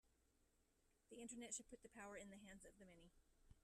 The Internet should put the power in the hands of the many.